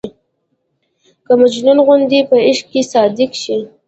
که مجنون غوندې په عشق کې صادق شي.